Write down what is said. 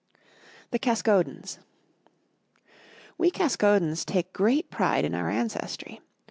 The Caskodens We Caskodens take great pride in our ancestry.